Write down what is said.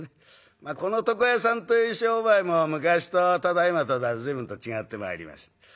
まあこの床屋さんという商売も昔とただいまとでは随分と違ってまいりました。